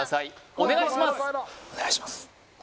お願いします